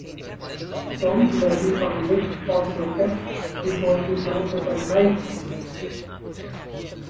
Don't lobby Congress or protest because we don't recognize Congress!